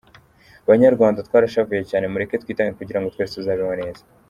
Banyarwanda twarashavuye cyane, mureke twitange kugirango twese tuzabeho neza.